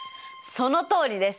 そのとおりです！